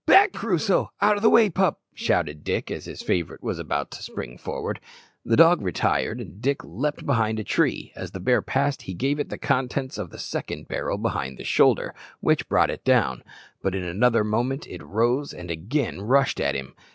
"Back, Crusoe! out of the way, pup!" shouted Dick, as his favourite was about to spring forward. The dog retired, and Dick leaped behind a tree. As the bear passed he gave it the contents of the second barrel behind the shoulder, which brought it down; but in another moment it rose and again rushed at him.